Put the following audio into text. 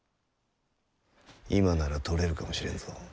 今なら取れるかもしれんぞ。